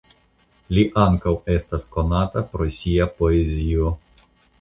Li ankaŭ estas konata pro sia poezio.